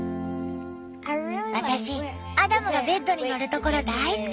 私アダムがベッドに乗るところ大好き！